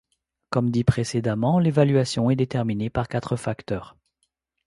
Comme dit précédemment, l'évaluation est déterminée par quatre facteurs.